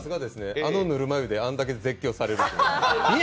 あのぬるま湯であれだけ絶叫されるの。